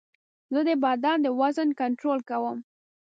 زه د بدن د وزن کنټرول کوم.